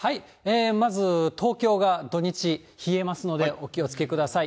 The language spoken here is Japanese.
まず東京が土日、冷えますので、お気をつけください。